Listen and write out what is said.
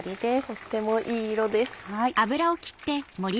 とってもいい色です。